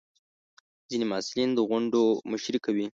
ځینې محصلین د غونډو مشري کوي.